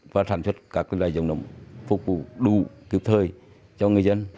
và sản xuất các dòng nấm phục vụ đủ cực thời cho người dân